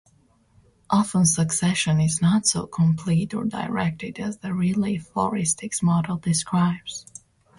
Often succession is not so complete or directed as the relay floristics model describes.